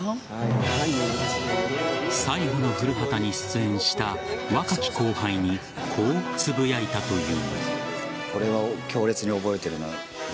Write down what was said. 最後の「古畑」に出演した若き後輩にこうつぶやいたという。